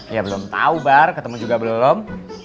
ya belum tahu bar ketemu juga belum